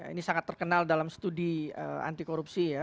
ini sangat terkenal dalam studi anti korupsi ya